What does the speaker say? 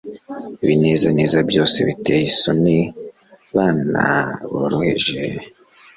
ibinezeza byose biteye isoni, bana boroheje